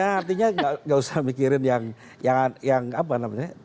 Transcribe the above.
ya artinya enggak usah mikirin yang apa ya